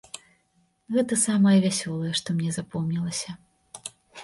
Гэта самае вясёлае, што мне запомнілася.